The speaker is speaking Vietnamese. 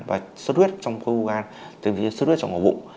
và xuất huyết trong khối ưu gan tương tự xuất huyết trong ngõ bụng